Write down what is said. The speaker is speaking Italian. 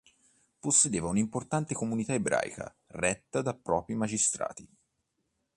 Possedeva un'importante comunità ebraica retta da propri magistrati.